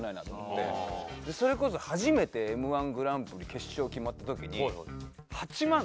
それこそ初めてＭー１グランプリ決勝決まった時に。